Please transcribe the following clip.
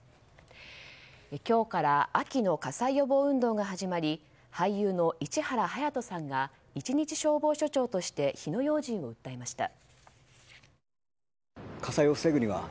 今日から秋の火災予防運動が始まり俳優の市原隼人さんが一日消防署長として火の用心を訴えました。